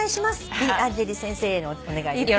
美・アンジェリー先生へのお願いです。